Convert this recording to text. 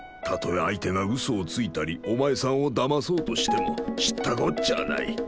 たとえ相手がうそをついたりお前さんをだまそうとしても知ったこっちゃあない。